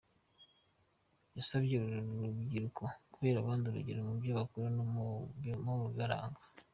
Yasabye uru rubyiruko kubera abandi urugero mu byo bakora no mu bibaranga.